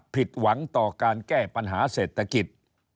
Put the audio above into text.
ผิดหวังต่อการแก้ปัญหาเศรษฐกิจ